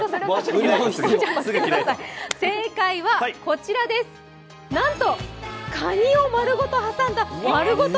正解は、なんとかにを丸ごと挟んだ丸ごと！！